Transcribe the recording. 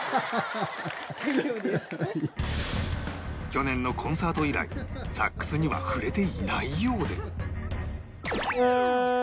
去年のコンサート以来サックスには触れていないようで